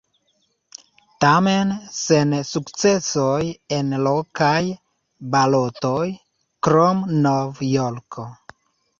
Tamen sen sukcesoj en lokaj balotoj, krom Nov-Jorko.